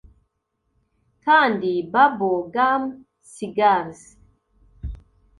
kandi bubble gum cigars